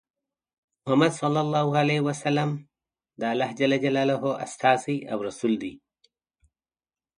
محمد ص د الله ج استازی او رسول دی.